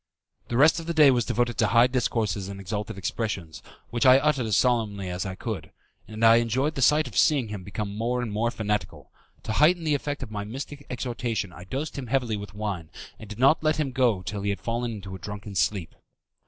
The rest of the day was devoted to high discourses and exalted expressions, which I uttered as solemnly as I could, and I enjoyed the sight of seeing him become more and more fanatical. To heighten the effect of my mystic exhortation I dosed him heavily with wine, and did not let him go till he had fallen into a drunken sleep.